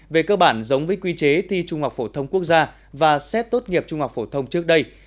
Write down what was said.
về cơ bản giống với quy chế thi trung học phổ thông quốc gia và xét tốt nghiệp trung học phổ thông trước đây